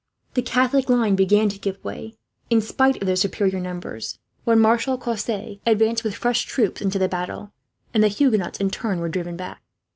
The Catholic line began to give way, in spite of their superiority in numbers; when Marshal Cosse advanced with fresh troops into the battle, and the Huguenots in turn were driven back.